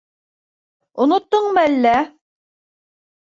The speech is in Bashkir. Оноттоң мәллә?